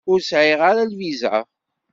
Ur sɛiɣ ara lviza.